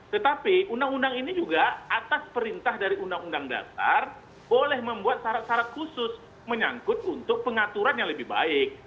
tetapi undang undang ini juga atas perintah dari undang undang dasar boleh membuat syarat syarat khusus menyangkut untuk pengaturan yang lebih baik